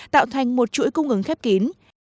tạo thành một chuỗi cung ứng khép kín